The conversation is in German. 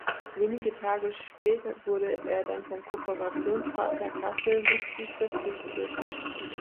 Wenige Tage späte wurde er dann vom Kooperationspartner Kassel Huskies verpflichtet.